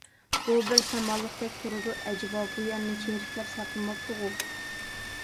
بۇ بىر سامانلىقتەك تۇرىدۇ، ئەجەبا بۇ يەرنى چېرىكلەر ساقلىماپتۇغۇ؟